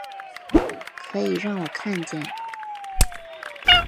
可以让我看见